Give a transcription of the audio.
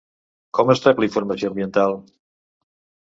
Com es rep la informació ambiental?